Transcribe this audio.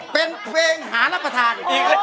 เป็นเพลงหารับประทาน